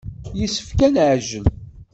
Yessefk ad neɛjel.